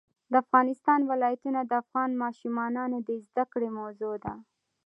د افغانستان ولايتونه د افغان ماشومانو د زده کړې موضوع ده.